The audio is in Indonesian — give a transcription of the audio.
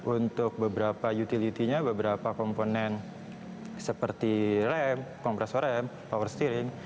untuk beberapa utility nya beberapa komponen seperti rem kompresor rem power steering